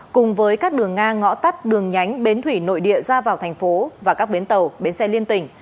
cùng với các đường ngang ngõ tắt đường nhánh bến thủy nội địa ra vào thành phố và các bến tàu bến xe liên tỉnh